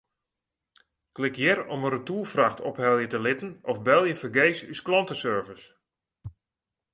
Klik hjir om in retoerfracht ophelje te litten of belje fergees ús klanteservice.